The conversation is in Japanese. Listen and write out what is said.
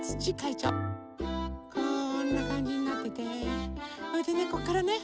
こんなかんじになっててそれでね